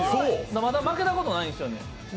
まだ負けたことがないんですよね。